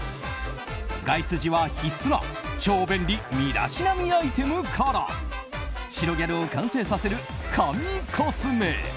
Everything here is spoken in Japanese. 外出時は必須な超便利身だしなみアイテムから白ギャルを完成させる神コスメ。